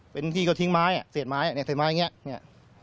เป็นที่เขาทิ้งไม้เสร็จไม้ใส่ไม้อย่างนี้